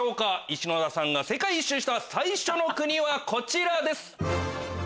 石野田さんが世界一周した最初の国はこちらです！